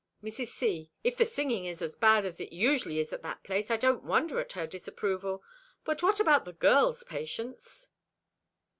Mrs. C.—"If the singing is as bad as it usually is at that place, I don't wonder at her disapproval. But what about the girls, Patience?"